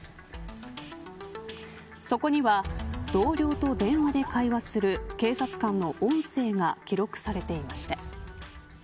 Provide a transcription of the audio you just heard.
そこには、同僚と電話で会話する警察官の音声が記録されていました。